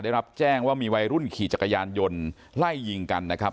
ได้รับแจ้งว่ามีวัยรุ่นขี่จักรยานยนต์ไล่ยิงกันนะครับ